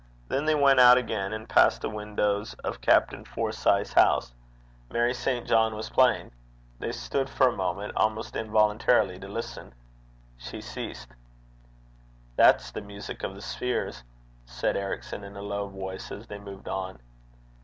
Then they went out again, and passed the windows of Captain Forsyth's house. Mary St. John was playing. They stood for a moment, almost involuntarily, to listen. She ceased. 'That's the music of the spheres,' said Ericson, in a low voice, as they moved on.